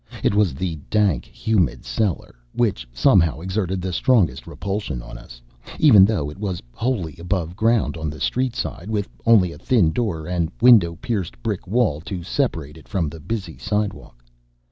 It was the dank, humid cellar which somehow exerted the strongest repulsion on us, even though it was wholly above ground on the street side, with only a thin door and window pierced brick wall to separate it from the busy sidewalk.